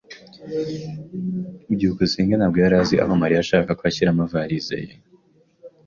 byukusenge ntabwo yari azi aho Mariya yashakaga ko ashyira amavalisi ye.